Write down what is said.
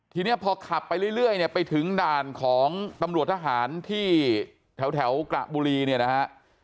ทีนี้พอขับไปเรื่อยเนี่ยไปถึงด่านของตำรวจทหารที่แถวกระบุรีเนี่ยนะฮะ